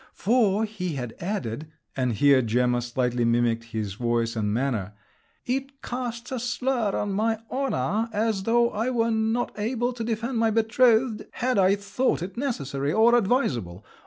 "For," he had added—and here Gemma slightly mimicked his voice and manner—"'it casts a slur on my honour; as though I were not able to defend my betrothed, had I thought it necessary or advisable!